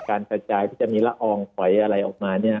การสะใจพี่จะมีละอองไขวอะไรออกมาเนี่ย